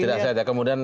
tidak sehat ya kemudian